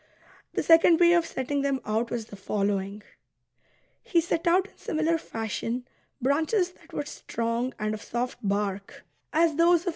The second way of setting them out was the following : he set out in similar fashion branches that were strong and of soft bark, as those VOL.